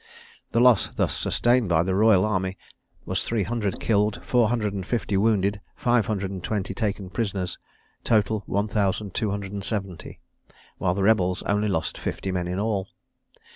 The loss thus sustained by the royal army, was three hundred killed, four hundred and fifty wounded, five hundred and twenty taken prisoners, total one thousand two hundred and seventy, while the rebels only lost fifty men in all.